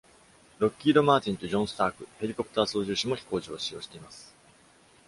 ロッキード・マーティンとジョン・スターク(ヘリコプター操縦士)も飛行場を使用しています。